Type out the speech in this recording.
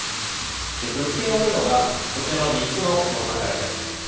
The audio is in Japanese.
物件を売るのがこちらの３つの不動産会社です。